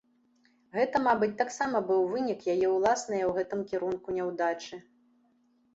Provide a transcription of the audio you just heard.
Гэта, мабыць, таксама быў вынік яе ўласнае ў гэтым кірунку няўдачы.